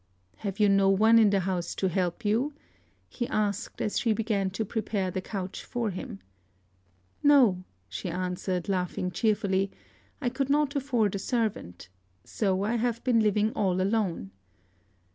"Have you no one in the house to help you?" he asked, as she began to prepare the couch for him. "No," she answered, laughing cheerfully: "I could not afford a servant; so I have been living all alone."